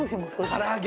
からあげ。